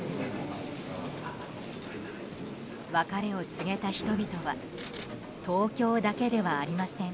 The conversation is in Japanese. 別れを告げた人々は東京だけではありません。